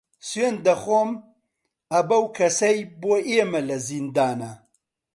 سوێند دەخۆم ئە بەو کەسەی بۆ ئێمە لە زیندانە